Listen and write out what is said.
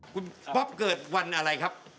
คุณป๊อปเกิดวันอะไรครับ